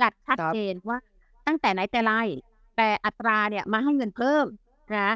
จัดชัดเจนว่าตั้งแต่ไหนแต่ไรแต่อัตราเนี่ยมาให้เงินเพิ่มนะ